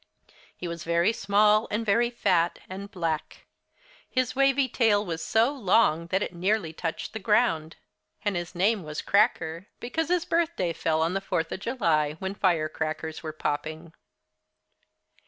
He was very small and very fat and black. His wavy tail was so long that it nearly touched the ground. And his name was "Cracker," because his birthday fell on the Fourth of July, when firecrackers were popping.